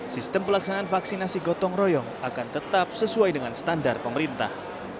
sistem pelaksanaan vaksinasi gotong royong akan tetap sesuai dengan standar pemerintah